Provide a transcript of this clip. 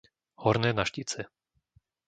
Horné Naštice